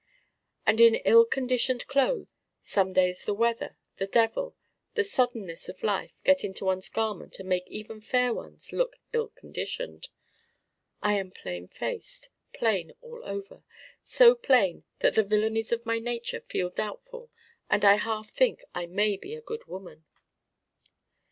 And in ill conditioned clothes some days the weather, the devil, the soddenness of life get into one's garments and make even fair ones look ill conditioned I am plain faced, plain all over so plain that the villainies of my nature feel doubtful and I half think I may be a good woman.